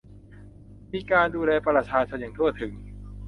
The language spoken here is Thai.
มีการดูแลประชาชนอย่างทั่วถึง